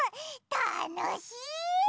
たのしい！